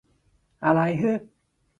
อะไรฮึ